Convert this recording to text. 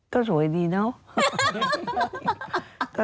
ก็สวยดีเนาะ